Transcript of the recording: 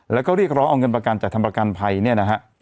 แล้วก็เรียกร้องเอาเงินประกันจากทางประกันภัยเนี่ยนะฮะ